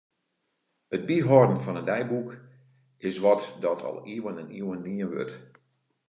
It byhâlden fan in deiboek is wat dat al iuwen en iuwen dien wurdt.